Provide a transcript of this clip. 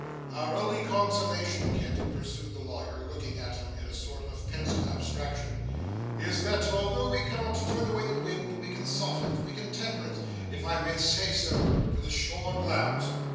'Our only consolation, Kit,' pursued the lawyer, looking at him in a sort of pensive abstraction, 'is, that although we cannot turn away the wind, we can soften it; we can temper it, if I may say so, to the shorn lambs.